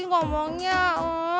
gak mau nyak